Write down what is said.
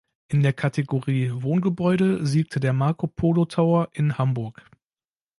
In der Kategorie „Wohngebäude“ siegte der "Marco-Polo-Tower" in Hamburg.